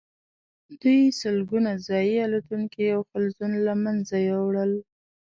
دوی سلګونه ځايي الوتونکي او حلزون له منځه یوړل.